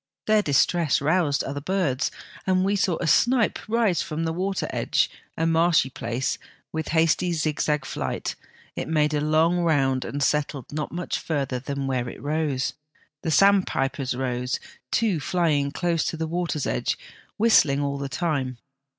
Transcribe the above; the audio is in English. Their distress roused other birds, and we saw a snipe rise from the water edge, a marshy place, with hasty zigzag flight ; it made a long round and settled not much further than where it rose. The sandpipers rose, two flying close to the water's edge, whistling all the time.